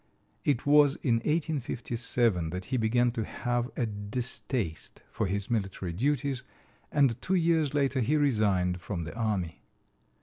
It was in 1857 that he began to have a distaste for his military duties, and two years later he resigned from the army.